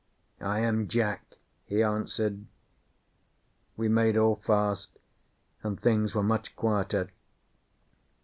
"I am Jack," he answered. We made all fast, and things were much quieter.